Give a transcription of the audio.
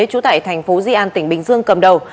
trú tại thành phố di an tỉnh bình dương cầm đầu